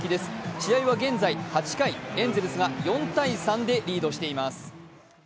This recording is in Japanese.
試合は現在８回、エンゼルスがリードしています。